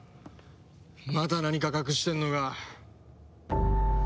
まだ何か隠してんのか。